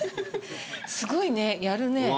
すごいねやるね。